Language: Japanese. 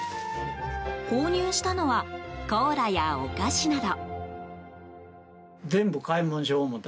購入したのはコーラやお菓子など。